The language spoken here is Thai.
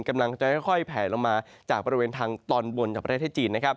กำลังจะค่อยแผลลงมาจากบริเวณทางตอนบนจากประเทศจีนนะครับ